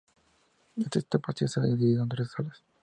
Este espacio se halla dividido en tres salas.